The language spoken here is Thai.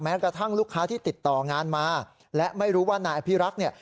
กระทั่งลูกค้าที่ติดต่องานมาและไม่รู้ว่านายอภิรักษ์เนี่ย